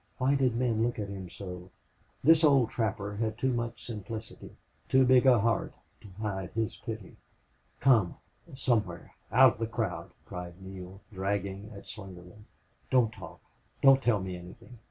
Why did men look at him so? This old trapper had too much simplicity, too big a heart, to hide his pity. "Come! Somewhere out of the crowd!" cried Neale, dragging at Slingerland. "Don't talk. Don't tell me anything.